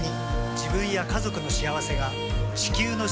自分や家族の幸せが地球の幸せにつながっている。